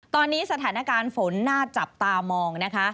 ตอนนี้สถานการณ์ฝนน่าจับตามองนะคะ